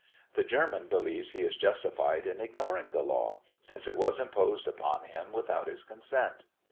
The German believes he is justified in ignoring the law, since it was imposed upon him without his consent.